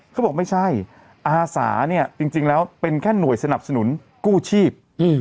เขาบอกไม่ใช่อาสาเนี่ยจริงแล้วเป็นแค่หน่วยสนับสนุนกู้ชีพ